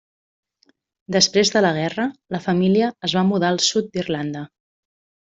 Després de la guerra, la família es va mudar al sud d'Irlanda.